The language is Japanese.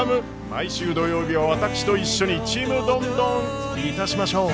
毎週土曜日は私と一緒に「ちむどんどん」いたしましょう！